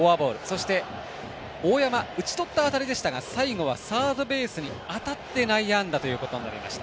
そして、大山打ち取った辺りでしたが最後はサードベースに当たって内野安打ということになりました。